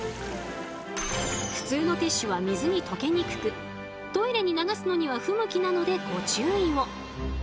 普通のティッシュは水に溶けにくくトイレに流すのには不向きなのでご注意を。